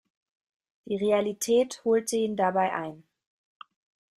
Die Realität holte ihn dabei ein.